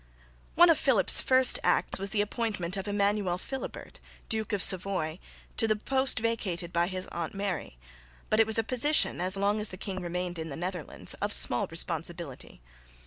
One of Philip's first acts was the appointment of Emmanuel Philibert, Duke of Savoy, to the post vacated by his aunt Mary; but it was a position, as long as the king remained in the Netherlands, of small responsibility.